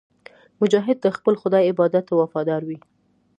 مجاهد د خپل خدای عبادت ته وفادار وي.